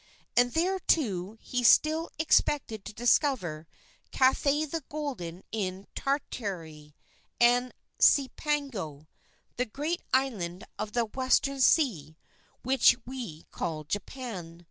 And there too, he still expected to discover Cathay the Golden in Tartary, and Cipango, the great island of the western sea, which we call Japan.